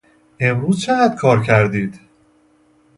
امروز چقدر کار کردید؟